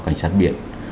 cảnh sát biển